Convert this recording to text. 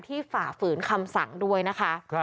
ฝ่าฝืนคำสั่งด้วยนะคะ